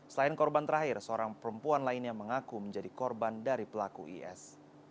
selain korban terakhir seorang perempuan lainnya mengaku menjadi korban dari pelaku is